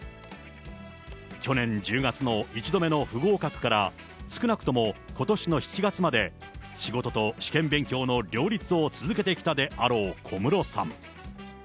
去年１０月の１度目の不合格から少なくともことしの７月まで、仕事と試験勉強の両立を続けてきたであろう小室さん。